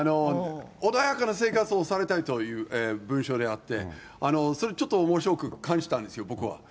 穏やかな生活をされたいという文書であって、それちょっと、おもしろく感じたんですよ、僕は。